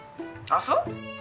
あっそう？